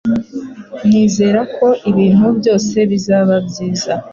Nizera ko ibintu byose bizaba byiza.